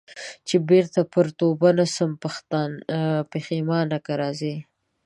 چي بیرته پر توبه نه سم پښېمانه که راځې